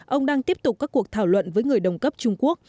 ông đang tiếp tục các cuộc thảo luận với người đồng cấp trung quốc